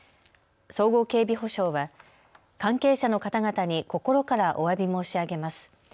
綜合警備保障は関係者の方々に心からおわび申し上げます。